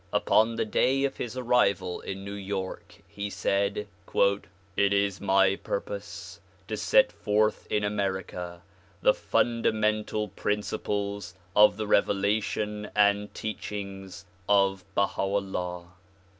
Upon the day of his arrival in New York he said " It is my pur pose to set forth in America the fundamental principles of the revelation and teachings of Baha 'Ullah.